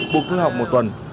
buộc thuê học một tuần